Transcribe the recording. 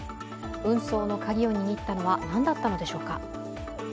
運送の鍵を握ったのは何だったのでしょうか。